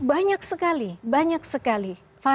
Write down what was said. banyak sekali banyak sekali